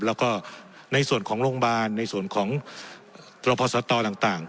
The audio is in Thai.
แล้วก็ในส่วนของโรงบาลในส่วนของรอพสตร์ต่อต่าง